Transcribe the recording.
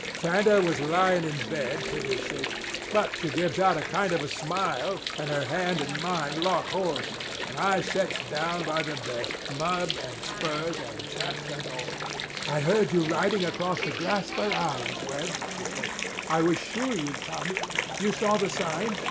"Santa was lyin' in bed pretty sick. But she gives out a kind of a smile, and her hand and mine lock horns, and I sets down by the bed— mud and spurs and chaps and all. 'I've heard you ridin' across the grass for hours, Webb,' she says. 'I was sure you'd come. You saw the sign?